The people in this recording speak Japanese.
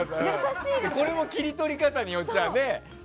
これも切り取り方によってはね。